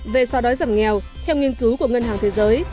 về xóa đói giảm nghèo theo nghiên cứu của ngân hàng thế giới